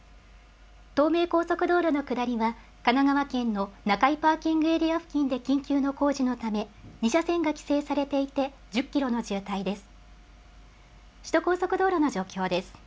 東名高速道路の下りは、神奈川県の中井パーキングエリア付近で緊急の工事のため、２車線が規制されていて、１０キロの渋滞です。